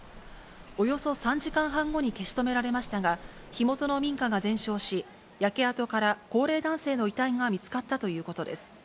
およそ３時間半後に消し止められましたが、火元の民家が全焼し、焼け跡から高齢男性の遺体が見つかったということです。